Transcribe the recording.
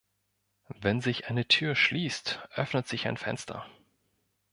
Wenn sich eine Tür schließt, öffnet sich ein Fenster.